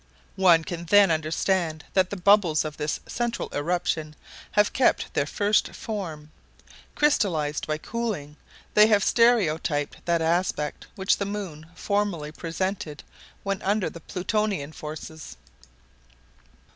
One can then understand that the bubbles of this central eruption have kept their first form. Crystallized by cooling, they have stereotyped that aspect which the moon formerly presented when under the Plutonian forces.